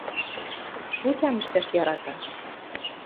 Шутям ӹштӓш ярата.